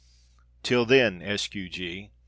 Till then, S. Q. G.